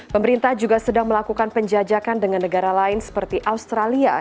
pemerintah juga sedang melakukan penjajakan dengan negara lain seperti australia